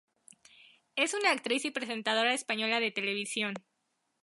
Es una actriz y presentadora española de televisión.